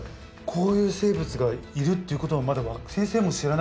こういう生物がいるっていうことは先生も知らなかったわけですね。